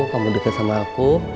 kamu deket sama aku